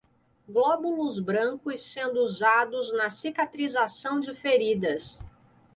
Glóbulos brancos sendo usados na cicatrização de feridas